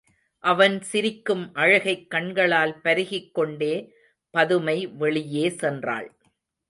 அவன் சிரிக்கும் அழகைக் கண்களால் பருகிக் கொண்டே பதுமை வெளியே சென்றாள்.